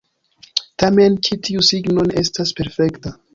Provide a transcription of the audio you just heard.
Tamen, ĉi tiu signo ne estas perfekta.